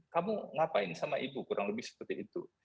kamu ngapain sama ibu kurang lebih seperti itu